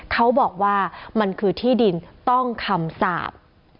เขาบอกว่ามันคือที่ดินต้องคำสาป